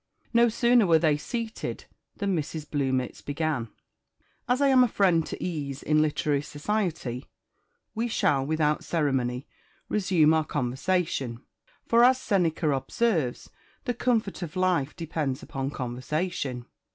No sooner were they seated than Mrs. Bluemits began "As I am a friend to ease in literary society, we shall, without ceremony, resume our conversation; for, as Seneca observes, the 'comfort of life depends upon conversation.'"